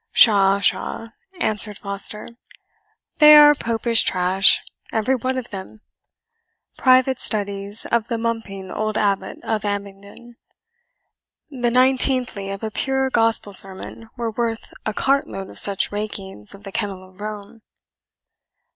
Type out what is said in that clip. "Pshaw, pshaw," answered Foster, "'they are Popish trash, every one of them private studies of the mumping old Abbot of Abingdon. The nineteenthly of a pure gospel sermon were worth a cartload of such rakings of the kennel of Rome."